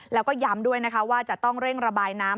แล้วก็ย้ำด้วยนะคะว่าจะต้องเร่งระบายน้ำ